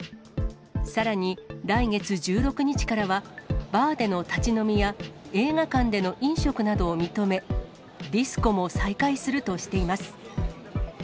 さらに、来月１６日からは、バーでの立ち飲みや映画館での飲食などを認め、ディスコも再開するとしています。